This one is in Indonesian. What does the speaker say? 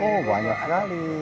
oh banyak sekali